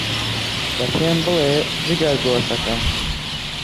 دە پێم بڵێ، جگەرگۆشەم،